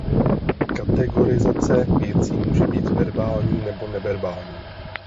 Kategorizace věcí může být verbální nebo neverbální.